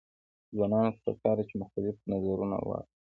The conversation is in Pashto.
ځوانانو ته پکار ده چې، مختلف نظرونه واوري.